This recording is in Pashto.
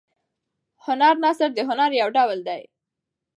هنر نثر د نثر یو ډول دﺉ.